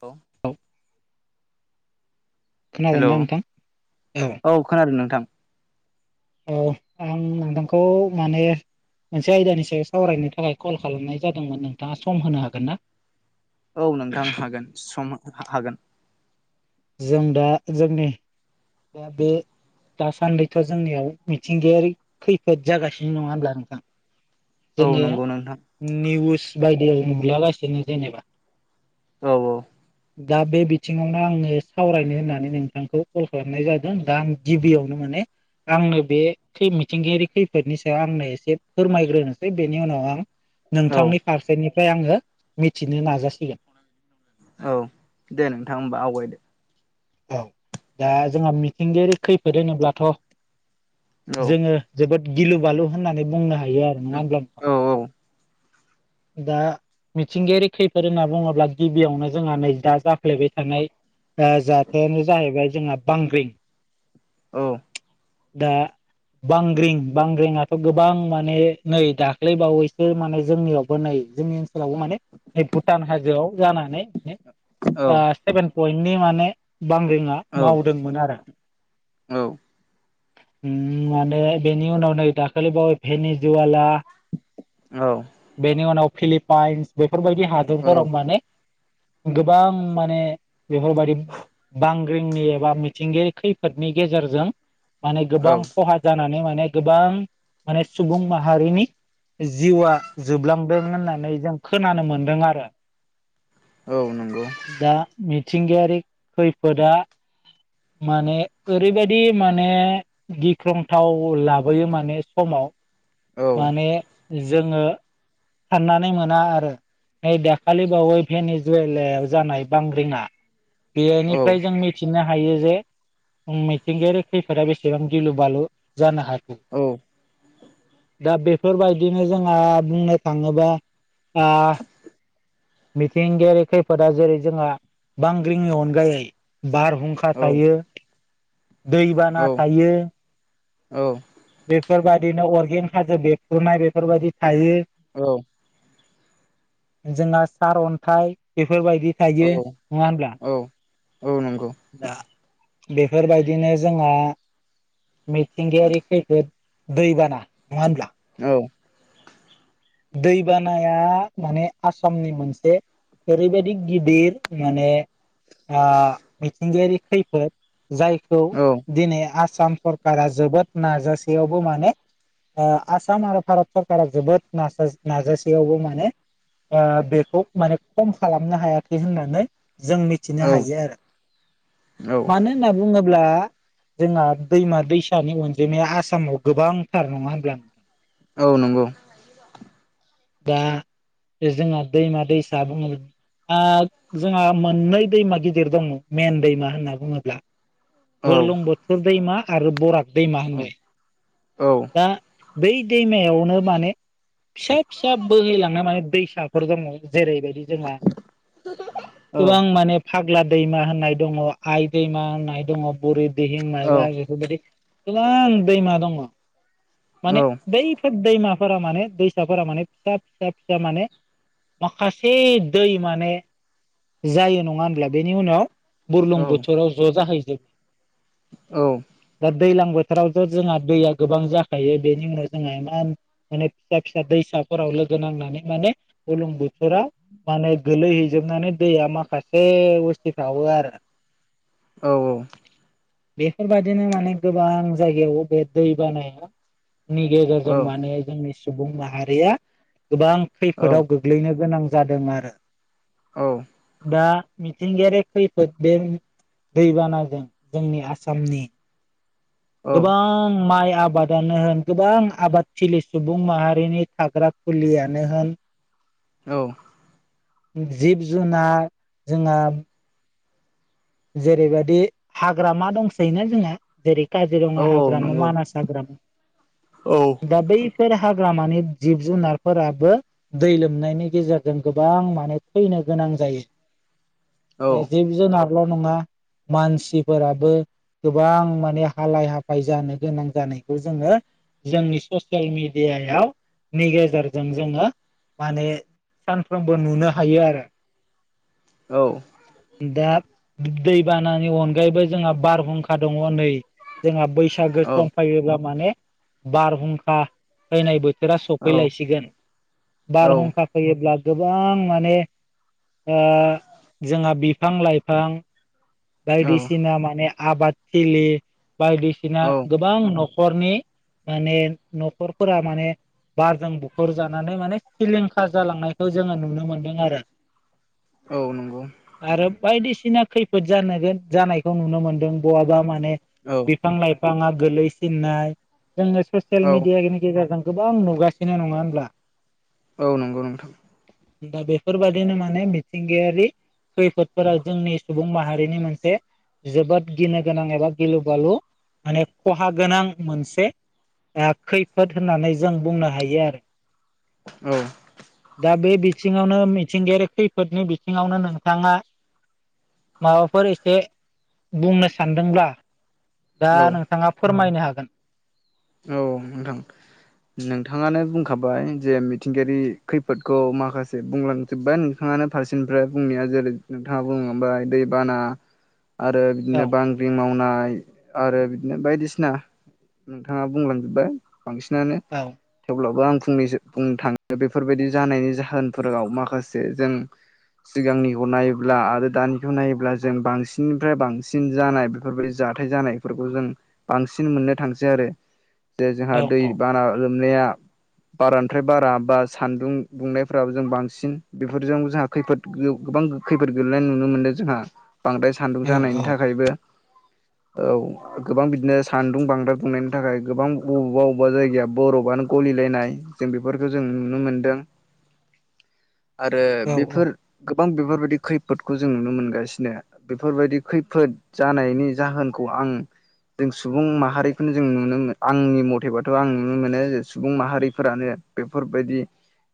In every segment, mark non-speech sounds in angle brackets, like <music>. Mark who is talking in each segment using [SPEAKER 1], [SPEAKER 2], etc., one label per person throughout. [SPEAKER 1] औ हेलौ
[SPEAKER 2] खोनादोंना नोंथां?
[SPEAKER 1] औ खोनादों नोंथां
[SPEAKER 2] औ आं नोंथांखौ माने मोनसे आयदानि सायाव सावरायनो थाखाय कल खालामनाय जादोंमोन नोंथाङा सम होनो हागोन ना?
[SPEAKER 1] औ नोंथां हागोन सम हागोन
[SPEAKER 2] जों दा जोंनि दा बे दासान्दिथजोंनियाव मिथिंगायारि खैफोद जागासिनो नङा होनब्ला नोंथां?
[SPEAKER 1] औ
[SPEAKER 2] जोङो
[SPEAKER 1] नंगौ नोंथां
[SPEAKER 2] निउस बायदियाव नुलागासिनो जेनेबा
[SPEAKER 1] औ औ
[SPEAKER 2] दा बे बिथिङावनो आङो सावरायनो होननानै नोंथांखौ कल खालामनाय जादों दा आं गिबियावनो माने आंनो बे खै मिथिंगायारि खैफोदनि सायाव आंनो एसे फोरमायग्रोनोसै बेनि उनाव आं
[SPEAKER 1] औ
[SPEAKER 2] नोंथांनि फारसेनिफ्राय आङो मिथिनो नाजासिगोन
[SPEAKER 1] औ दे नोंथां होमबा आवगायदो
[SPEAKER 2] औ दा जोंहा मिथिंगायारि खैफोद होनोब्लाथ
[SPEAKER 1] औ
[SPEAKER 2] जोङो जोबोद गिलु बालु होननानै बुंनो हा यो आरो नङा होनब्ला नोंथां
[SPEAKER 1] औ औ
[SPEAKER 2] दा मिथिंगायारि खैफोद होनना बुङोब्ला गिबियावनो जोंहा नै दा जाफ्लेबाय थानाय ओ खोथायानो जाहैबाय जोंहा बांग्रिं
[SPEAKER 1] औ
[SPEAKER 2] दा बांग्रिं बांग्रिंआथ गोबां माने नै दाख्लैबावैसो माने जोंनियावबो नै <unintelligible> वबो माने न भुटान हाजोआव जानानै
[SPEAKER 1] औ
[SPEAKER 2] बा सेभेन पइन्टनि माने बांग्रिङा मावदोंमोन आरो
[SPEAKER 1] औ
[SPEAKER 2] उम माने बेनि उनाव नै दाखालि बावै भेनि जुवाला
[SPEAKER 1] औ
[SPEAKER 2] बेनि उनाव फिलिपाइन्स बेफोरबायदि
[SPEAKER 1] औ
[SPEAKER 2] हादरफोराव माने गोबां माने बेफोरबायदि बांग्रिंनि एबा मिथिंगायारि खैफोदनि गेजेरजों माने गोबां खहा जानानै माने गोबां माने सुबुं माहारिनि जिउआ जोबलांदों होननानै जों खोनानो मोनदों आरो
[SPEAKER 1] औ नंगौ
[SPEAKER 2] दा मिथिंगायारि खैफोदा माने ओरैबायदि माने गिख्रंथाव लाबोयो माने समाव
[SPEAKER 1] औ
[SPEAKER 2] माने जोङो साननानै मोना आरो नै दाखालि बावै भेनि जुवेलयाव जानाय बांग्रिंआ बेनिफ्राय जों मिथिनो हा हायो जे मिथिंगायारि खैफोदा बेसेबां गिलु बालु जानो हा
[SPEAKER 1] औ
[SPEAKER 2] दा बेफोरबायदिनो जोंहा बुंनो थाङोबा आ मिथिंगायारि खैफोदा जेरै जोंहा बां ग्रिंनि अनगायै बारहुंखा
[SPEAKER 1] औ
[SPEAKER 2] थायो
[SPEAKER 1] औ
[SPEAKER 2] दैबाना थायो
[SPEAKER 1] औ
[SPEAKER 2] बेफोरबायदिनो अरगें हाजो बेरफ्रुनाय बेफोरबायदि थायो
[SPEAKER 1] औ
[SPEAKER 2] जोंहा सारअन्थाइ बेफोरबायदि थायो नङा हब्ला
[SPEAKER 1] औ औ नंगौ
[SPEAKER 2] बेफोरबायदिनो जोंहा मिथिंगायारि खैफोद दैबाना नङा होनब्ला
[SPEAKER 1] औ।
[SPEAKER 2] दैबानाया माने आसामनि मोनसे। ओरैबायदि गिदिर माने मिथिंगायारि खैफोद। जायखौ
[SPEAKER 1] औ
[SPEAKER 2] दिनै आस आसाम सरकारा जोबोद नाजासेयावबो माने आसाम आरो भारत सरकारा जोबोद। नाज नाजासेयावबो माने। बेखौ माने खम खालामनो हायाखै होननानै। जों मिथिनो
[SPEAKER 1] औ
[SPEAKER 2] हायो आरो मानो होनना बुङोब्ला। जोंहा दैमा दैसानि अनजिमाया आसामाव गोबांथार नङा होनब्ला नोंथां।
[SPEAKER 1] औ नंगौ।
[SPEAKER 2] दा बे जोंहा दैमा दैसा बुङो। जोंहा मोननै दैमा गिदिर दङ मेन दैमा होनना बुङोब्ला।
[SPEAKER 1] औ
[SPEAKER 2] बुलुंबुथुर दैमा आरो बराग दैमा होननाय।
[SPEAKER 1] औ।
[SPEAKER 2] दा बै दैमायावनो माने फिसा फिसा बोहैलांनाय माने दैसाफोर दङ। जेरैबायदि जोंहा
[SPEAKER 1] औ
[SPEAKER 2] गोबां माने। फाग्ला दैमा होननाय दङ आइ दैमा होननाय दङ बुरि दिहिं
[SPEAKER 1] औ
[SPEAKER 2] मायबा बेफोर बायदि। गोबां दैमा दङ। माने बैफोर दैमाफोरा माने दैसाफोरा माने फिसा फिसा फिसा माने। माखासे दै माने जायो नङा होनब्ला बेनि उनाव। बुरलुं बोथोराव ज' जाहैजोबो।
[SPEAKER 1] औ।
[SPEAKER 2] दा दैज्लां बोथोरावथ' जोंहा दैया। गोबां जाखायो बेनि उनाव जोंहा इमान माने फिसा फिसा दैसाफोराव लोगो नांनानै माने। बुरलुंबोथोराव। माने गोलैहैजोबनानै दैया माखासे उसिफावो आरो।
[SPEAKER 1] औ औ।
[SPEAKER 2] बेफोर बायदिनो माने गोबां जायगायाव बे दै बानाया। नि
[SPEAKER 1] औ
[SPEAKER 2] गेजेरजों माने जोंनि सुबुं माहारिया गोबां खैफोदाव
[SPEAKER 1] औ
[SPEAKER 2] गोग्लैनो गोनां। जादों आरो।
[SPEAKER 1] औ।
[SPEAKER 2] दा मिथिंगायारि खैफोद बे दैबानाजों जोंनि आसामनि।
[SPEAKER 1] औ
[SPEAKER 2] गोबां माइ। आबादानो होन गोबां आबादथिलि सुबुं माहारिनि थाग्रा खुलियानो होन। <inaudible>
[SPEAKER 1] औ।
[SPEAKER 2] जिब जुनार जोंहा। जेरैबायदि हाग्रामा दंसै ना जोंना जेरै।
[SPEAKER 1] औ
[SPEAKER 2] काजिरङा हाग्रामा
[SPEAKER 1] नंगौ
[SPEAKER 2] मानास हाग्रामा
[SPEAKER 1] औ
[SPEAKER 2] दा बै। हाग्रामानि जिब जुनारफोराबो दै लोमनायनि गेजेरजों गोबां मान थैनो। गोनां जायो
[SPEAKER 1] औ
[SPEAKER 2] दा जिब जुनारल' नङा। मानसिफोराबो। गोबां माने हालाय हाफाय जानो गोनां जानायखौ जोङो। जोंनि ससियेल मिडिया नि गेजेरजों जोङो। माने सानफ्रोमबो नुनो हायो आरो।
[SPEAKER 1] औ,
[SPEAKER 2] दा दैबानानि अनगायैबो जोंहा बारहुंखा दङ नै जोंहा बै। बैसागो सम फायोब्ला माने बारहुंखा। फैनाय बोथोरा सफैलायसिगोन
[SPEAKER 1] औ
[SPEAKER 2] बारहुंखा फैयोब्ला। गोबां माने जोंहा बिफां लाइफां।
[SPEAKER 1] औ
[SPEAKER 2] बायदिसिना माने आबादथिलि बायदिसिना गोबां न'ख खरनि माने न'खरफोरा माने बारजों बुखर जानानै माने सिलिंखार जालांनायखौ जोङो नुनो मोनदों आरो ।
[SPEAKER 1] औ नंगौ ।
[SPEAKER 2] बायदिसिना खैफोद जानोन जानायखौ नुनो मोनदों बहाबा माने
[SPEAKER 1] औ
[SPEAKER 2] बिफां लाइफां बिफाङा गोलैसिननाय जोङो ससियेल
[SPEAKER 1] औ
[SPEAKER 2] मिडियानि गेजेरजों गोबां नुगासिनो नङा होनब्ला?
[SPEAKER 1] औ नंगौ नोंथां ।
[SPEAKER 2] दा बेफोरबादिनो माने मिथिंगायारि खैफोद फोर जोंनि सुबुं माहारिनि मोनसे जोबोद गिनो गोनां एबा गिलु बालु माने खहा गोनां मोनसे खैफोद होननानै जों बुंनो हायो आरो ।
[SPEAKER 1] औ,
[SPEAKER 2] दा बे बिथिङावनो मिथिंगायारि खैफोदनि बिथिङावनो नोंथाङा माबाफोर एसे बुंनो सानदोंब्ला दा
[SPEAKER 1] औ
[SPEAKER 2] नोंथाङा फोरमायनो हागोन ।
[SPEAKER 1] औ नोंथां । नोंथाङानो बुंखाबाय जे मिथिंगायारि खैफोदखौ माखासे बुंलांजोब्बाय नोंथाङा । नोंथांआनो फारसेनिफ्राय बुंनाया जेरै नोंथाङा बुङो। ओम दै बाना
[SPEAKER 2] <inaudible>
[SPEAKER 1] आरो बिदिनो
[SPEAKER 2] औ
[SPEAKER 1] बांग्रि मावनाय आरो बिदिनो बायदिसिना नोंथाङा बुंलांजोबबाय बांसिनानो
[SPEAKER 2] औ
[SPEAKER 1] थेवब्लाबो आं फंनैसो बुंनो थाङो बेफोरबायदि जानायनि जाहोनफोराव माखासे जों सिगांनिखौ नायोब्ला आरो दानिखौ नायोब्ला जों बांसिननिफ्राय बांसिन जानाय बेफोरबायदि जा जाथाय जानायफोरखौ जों बांसिन मोननो थांसै आरो । जे जोंहा
[SPEAKER 2] औ
[SPEAKER 1] दै
[SPEAKER 2] औ
[SPEAKER 1] बाना लोमनाया बारानिफ्राय बारा बा सानदुं दुंनायफोराबो जों बांसिन बेफोरजों जोंहा खैफोद गोबां खैफोद गोलैनाय नुनो मोनदों जोंहा । बांद्राय सान्दुं जानायनि थाखायबो औ गोबां बिदिनो सान्दुं बांद्राय दुंनायनि <unintelligible> थाखाय गोबां बबेबा बबेबा जायगाया बर'फआनो गलिलायनाय जों बेफोरखौ जों नुनो मोन्दों ।
[SPEAKER 2] <inaudible>
[SPEAKER 1] आरो
[SPEAKER 2] औ
[SPEAKER 1] बेफोर गोबां बेफोरबायदि खैफोदखौ जों नुनो मोनगासिनो बेफोरबायदि खैफोद जानायनि जाहोनखौ आं जों सुबुं माहारिखौनो जों नुनो मोनो आंनि मथेबाथ' आं नुनो मोनो जे सुबुं माहारिफोरानो बेफोरबायदि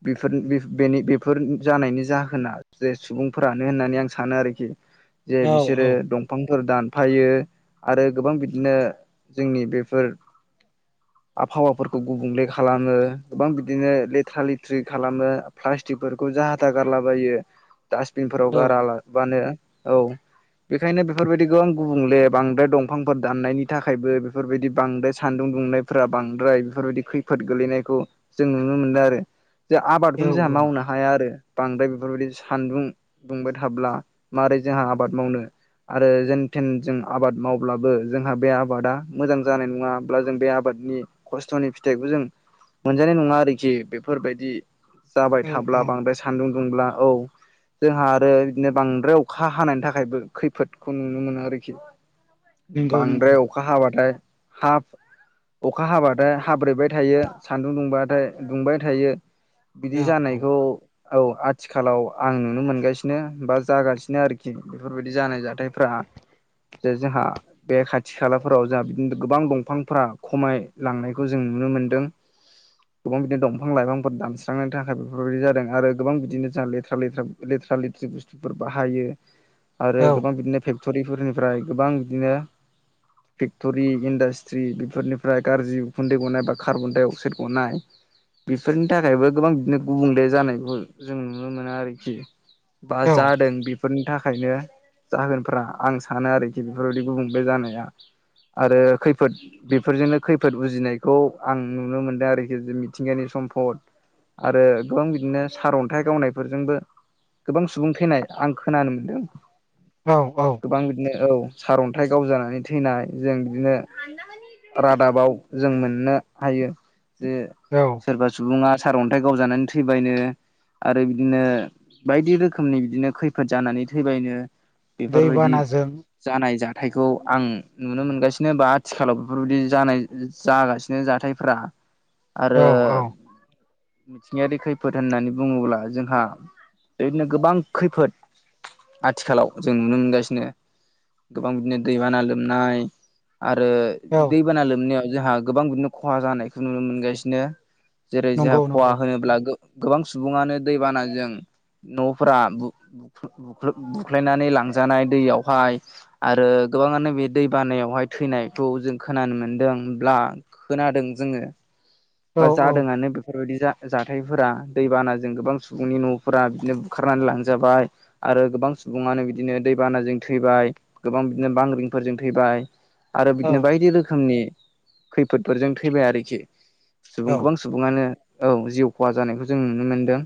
[SPEAKER 1] बेफोर जानायनि जाहोना जे सुबुंफोरानो होननानै आं सानो आरोखि । जे बिसोरो दंफांफोर दानफायो आरो गोबां बिदिनो जोंनि बे फोर आबहावाफोरखौ गुबुंले खालामो गोबां बिदिनो लेथ्रा लेथ्रि खालामो प्लास्टिक स्टिकफोरखौ जाहा टाहा गारलाबायो डासबिनफोराव
[SPEAKER 2] औ
[SPEAKER 1] गारालाबानो औ । बेखायनो बेफोरबायदि गोबां गुबुंले बांद्राय दंफांफोर दाननायनि थाखायबो बेफोरबायदि बांद्राय सान्दुं दुंनायफोरा बांद्राय बेफोरबायदि खैफोद गोलैनायखौ जों नुनो मोनदों आरो । जे
[SPEAKER 2] औ
[SPEAKER 1] आबादखौनो जोंहा मावनो हाया आरो बांद्राय बेफोरबायदि सानदुं दुंबाय थाब्ला मारै जोंहा आबाद मावनो? आरो जेन थेन जों आबाद मावब्लाबो जोंहा बे आबादा मोजां जानाय नङब्ला जों बे आबादनि खस्थ'नि फिथाइखौ जों मोनजानाय नङा आरोखि बेफोरबायदि जाबाय
[SPEAKER 2] औ
[SPEAKER 1] थाब्ला
[SPEAKER 2] औ
[SPEAKER 1] बांद्राय सान्दुं दुंब्ला औ जोंहा आरो बिदिनो बांद्राय अखा हानायनि थाखायबो खैफोदखौ नुनो मोनो आरोखि।
[SPEAKER 2] नंगौ नंगौ
[SPEAKER 1] बांद्राय अखा हाबाथाय हाफ अखा हाबाथाय हाब्रेबाय थायो सान्दुं दुंबाथाय दुंबाय थायो । बिदि
[SPEAKER 2] औ
[SPEAKER 1] जानायखौ औ आथिखालाव आं नुनो मोनगासिनो बा जागासिनो आरोखि बेफोरबायदि जानाय जाथायफ्रा जे जोंहा बे खाथि खालाफोराव जोंहा बि गोबां दंफांफोरा खमायलांनायखौ जों नुनो मोनदों। गोबां बिदिनो दंफां लाइफांफोर दानस्रांनायनि थाखाय बेफोरबायदि जादों आरो गोबां बिदिनो जा लेथ्रा लेथ्रा ले लेथ्रा लेथ्रि बुस्थुफोर बाहायो। आरो
[SPEAKER 2] औ
[SPEAKER 1] गोबां बिदिनो फेक्ट'रिफोरनिफ्राय गोबां बिदिनो फि फेक्टरि इन्डासट्रि बेफोरनिफ्राय गाज्रि उखुन्दै गनाय बा कार्बन डाइ अक्साइड गनाय बेफोरनि थाखायबो गोबां बिदिनो गुबुंले जानायखौ जों नुनो मोनो आरोखि। बा
[SPEAKER 2] औ
[SPEAKER 1] जादों बिब फोरनि थाखायनो जागोनफ्रा आं सानो आरोखि बेफोरबायदि गुबुंले जानाया। आरो खैफोद बेफोरजोंनो खैफोद उजिनायखौ आं नुनो मोनदों आरोखि जे मिथिंगानि सम म्पट आरो गोबां बिदिनो सारअन्थाइ गावनायफोरजोंबो गोबां सुबुं थैनाय आं खोनानो मोनदों।
[SPEAKER 2] औ औ
[SPEAKER 1] गोबां बिदिनो औ सारन्थाइ गावजानानै थैनाय जों बिदिनो रादाबाव जों मोननो हायो। जे
[SPEAKER 2] औ
[SPEAKER 1] सोरबा सुबुङा सारअन्थाइ गावजानानै थैबायनो आरो बिदिनो बायदि रोखोमनि बिदिनो खैफोद जानानै थैबायनो बेफोरबायदि
[SPEAKER 2] दैबानाजों
[SPEAKER 1] जानाय जाथायखौ आं नुनो मोनगासिनो बा आथिखालाव बेफोरबायदि जानाय जागासिनो जाथायफ्रा
[SPEAKER 2] औ
[SPEAKER 1] आरो
[SPEAKER 2] औ
[SPEAKER 1] मिथिंगायारि खैफोद होननानै बुङोब्ला जोंहा बेदिनो गोबां खैफोद आथिखालाव जों नुनो मोनगासिनो गोबां बिदिनो दैबाना लोम नाय आरो
[SPEAKER 2] औ
[SPEAKER 1] दैबाना लोमनायाव जोंहा गोबां बिदिनो खहा जानायखौ नुनो मोनगासिनो जेरै जोंहा
[SPEAKER 2] नंगौ
[SPEAKER 1] खहा
[SPEAKER 2] नंगौ
[SPEAKER 1] होनोब्ला गो गोबां सुबुङानो दैबानाजों न'फोरा बु-बुख्लु-बुख्लु-बुख्लायनानै लांजानाय दैयावहाय आरो गोबाङानो बे दै बानायावहाय थैनायखौ जों खोनानो मोनदों ब्ला खोनादों जोङो।
[SPEAKER 2] औ
[SPEAKER 1] बा जादोंआनो बेफोरबायदि जा-जाथायफोरा दैबानाजों गोबां सुबुंनि न'फोरा बिदिनो बुखारनानै लांजाबाय आरो गोबां सुबुङानो बिदिनो दैबानाजों थैबाय गोबां बिदिनो बांग्रिं फोरजों थैबाय आरो
[SPEAKER 2] औ
[SPEAKER 1] बिदिनो बायदि रोखोमनि खैफोदफोरजों थैबाय आरोखि सुबुं
[SPEAKER 2] औ
[SPEAKER 1] गोबां सुबुङानो औ जिउ खहा जानायखौ जों नुनो मोनदों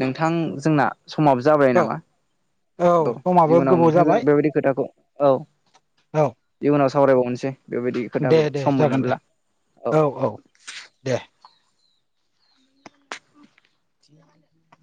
[SPEAKER 1] नोंथां जोंना समाबो जाबाय
[SPEAKER 2] औ
[SPEAKER 1] नामा औ
[SPEAKER 2] समाबो
[SPEAKER 1] जिबनाव
[SPEAKER 2] गोबाव
[SPEAKER 1] नोंथांजों
[SPEAKER 2] जाबाय
[SPEAKER 1] बेबायदि खोथाखौ औ
[SPEAKER 2] औ
[SPEAKER 1] उनाव सावरायबावनोसै बेबायदि
[SPEAKER 2] दे
[SPEAKER 1] खोथाखौ
[SPEAKER 2] दे
[SPEAKER 1] सम
[SPEAKER 2] जागोन दे
[SPEAKER 1] मोनोब्ला औ।
[SPEAKER 2] दे
[SPEAKER 1] <inaudible>